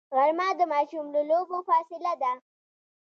غرمه د ماشوم له لوبو فاصله ده